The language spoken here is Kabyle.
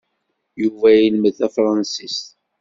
Yuba ilmed tafṛansist.